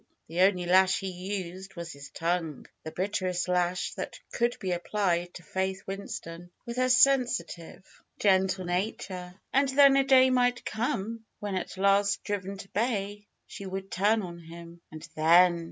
The only lash he used was his tongue, the bitterest lash that could be applied to Faith Winston, with her sensitive, 248 FAITH gentle nature. And then a day might come, when at last driven to bay, she would turn on him. And then